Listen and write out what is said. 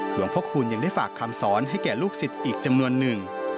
หลวงพระคุณยังได้ฝากคำสอนให้แก่ลูกศิษย์อีกจำนวนหนึ่ง